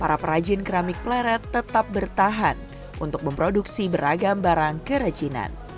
para perajin keramik pleret tetap bertahan untuk memproduksi beragam barang kerajinan